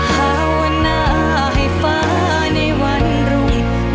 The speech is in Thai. หาวันหน้าให้ฟ้าในวันรุ่ง